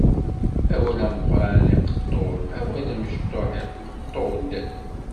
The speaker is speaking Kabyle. Awal ameqqran iqeṭṭu-d, awal amecṭuḥ iqeṭṭu-d.